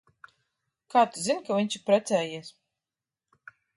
Kā tu zini, ka viņš ir precējies?